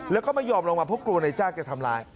แล้วก็ไม่ยอมลงมาเพราะกลัวในจ้างจะทำร้าย